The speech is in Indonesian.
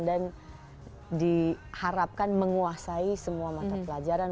dan diharapkan menguasai semua mata pelajaran